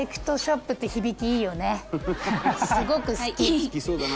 すごく好き。